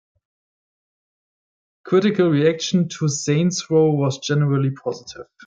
Critical reaction to "Saints Row" was generally positive.